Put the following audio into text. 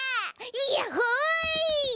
やっほい！